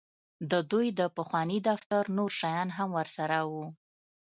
د دوی د پخواني دفتر نور شیان هم ورسره وو